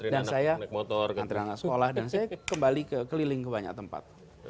dan saya kembali keliling ke banyak tempat